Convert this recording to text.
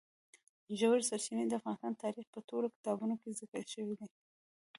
ژورې سرچینې د افغان تاریخ په ټولو کتابونو کې ذکر شوي دي.